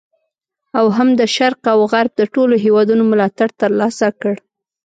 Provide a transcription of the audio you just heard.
او هم د شرق او غرب د ټولو هیوادونو ملاتړ تر لاسه کړ.